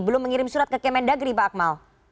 belum mengirim surat ke kemendagri pak akmal